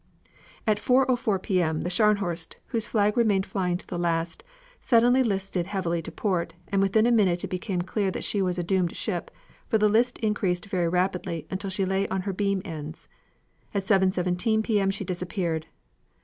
"At 4.04 P. M. the Scharnhorst, whose flag remained flying to the last, suddenly listed heavily to port, and within a minute it became clear that she was a doomed ship, for the list increased very rapidly until she lay on her beam ends. At 4.17 P. M. she disappeared.